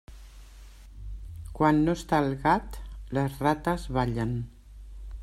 Quan no està el gat, les rates ballen.